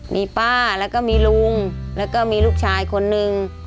มีป้าแล้วก็มีลุงแล้วก็มีลูกชายคนนึง